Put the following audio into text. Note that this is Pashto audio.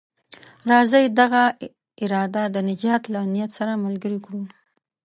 راځئ دغه اراده د نجات له نيت سره ملګرې کړو.